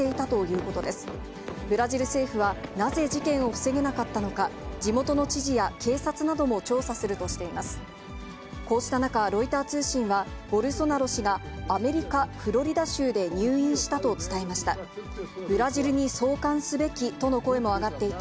こうした中、ロイター通信は、ボルソナロ氏がアメリカ・フロリダ州で入院したと伝えました。